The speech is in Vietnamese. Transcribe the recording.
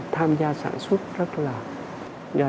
tham gia sản xuất rất là